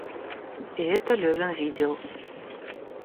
И это Левин видел.